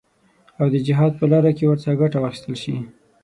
او د جهاد په لاره کې ورڅخه ګټه واخیستل شي.